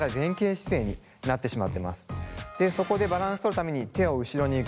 でそこでバランスとるために手を後ろに組む。